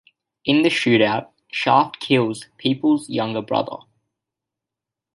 In the shootout, Shaft kills Peoples's younger brother.